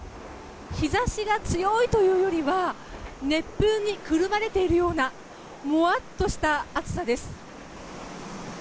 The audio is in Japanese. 日差しが強いというよりは熱風にくるまれているようなもわっとした暑さです。